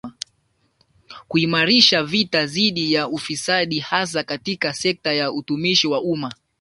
Kuimarisha vita dhidi ya ufisadi hasa katika sekta ya utumishi wa umma